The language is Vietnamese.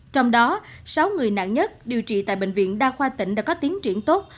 trong đó sáu người nặng nhất điều trị tại bệnh viện đa khoa tỉnh đã có tiến triển tốt